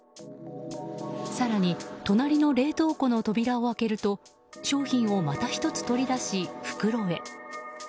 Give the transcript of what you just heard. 更に隣の冷凍庫の扉を開けると商品をまた１つ取り出し、袋へ。